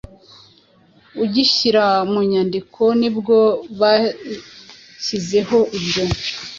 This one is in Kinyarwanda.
ugishyira mu nyandikonibwo bashyizeho ibyo